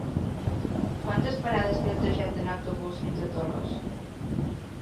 Quantes parades té el trajecte en autobús fins a Tollos?